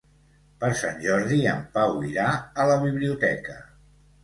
Per Sant Jordi en Pau irà a la biblioteca.